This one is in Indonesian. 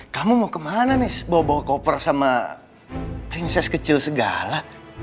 kamu mau kemana nih bawa bawa koper sama prinses kecil segala